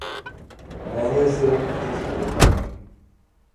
میں نے اسے ایک ہفتے سے دیکھا نہیں۔